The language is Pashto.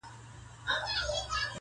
کورنۍ ورو ورو تيت کيږي تل,